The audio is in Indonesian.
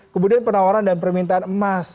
kemudian penawaran dan permintaan emas